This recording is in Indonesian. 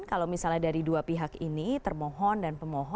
kalau misalnya dari dua pihak ini termohon dan pemohon